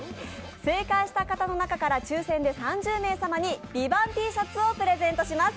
正解した人の中から抽選で３０名様に、「ＶＩＶＡＮＴ」Ｔシャツをプレゼントします。